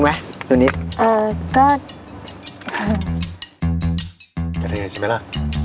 เป็นอย่างไรใช่ไหมล่ะ